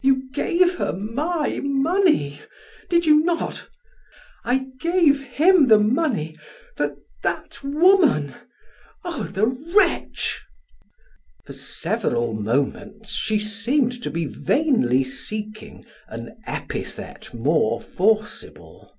You gave her my money did you not? I gave him the money for that woman oh, the wretch!" For several moments she seemed to be vainly seeking an epithet more forcible.